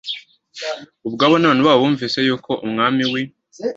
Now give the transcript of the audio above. ubwabo n abantu babo bumvise yuko umwami w i